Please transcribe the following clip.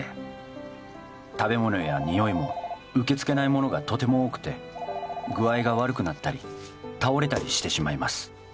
食べ物やにおいも受け付けないものがとても多くて具合が悪くなったり倒れたりしてしまいます